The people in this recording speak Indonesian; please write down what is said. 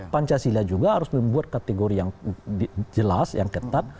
pancasila juga harus membuat kategori yang jelas yang ketat